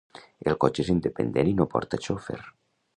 El cotxe és independent i no porta xofer